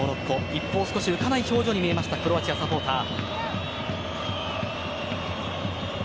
一方、少し浮かない表情に見えたクロアチアサポーター。